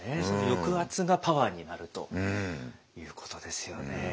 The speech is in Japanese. その抑圧がパワーになるということですよね。